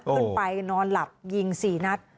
ขึ้นไปนอนหลับยิง๔นัด